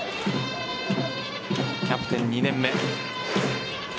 キャプテン２年目。